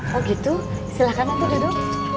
oh gitu silahkan atem duduk